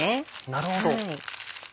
なるほど。